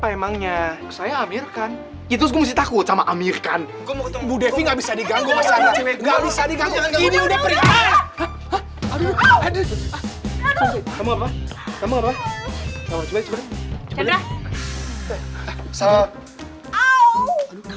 emangnya saya amir kan itu sih takut sama amir kan gue mau tunggu devi nggak bisa diganggu ganggu